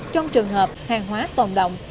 trong trường hợp hàng hóa tồn động